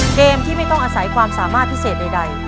เกมที่ไม่ต้องอาศัยความสามารถพิเศษใด